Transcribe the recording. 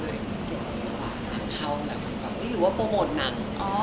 ก็เกี่ยวดีกว่านอนคอลหรือว่าโปรโมทนาง